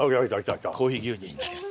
コーヒー牛乳になります。